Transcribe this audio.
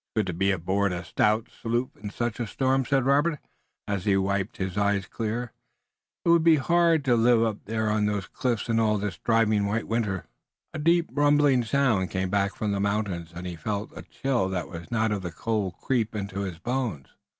"It is good to be aboard a stout sloop in such a storm," said Robert, as he wiped his eyes clear. "It would be hard to live up there on those cliffs in all this driving white winter." A deep rumbling sound came back from the mountains, and he felt a chill that was not of the cold creep into his bones.